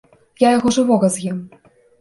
Я яго жывога з'ем.